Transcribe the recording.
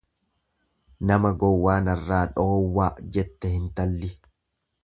Nama gowwaa narraa dhoowwaa jette hintalli.